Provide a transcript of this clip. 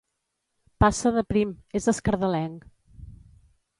Passa de prim: és escardalenc.